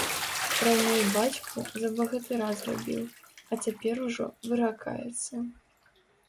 Раней бацьку за багатыра зрабіў, а цяпер ужо выракаецца.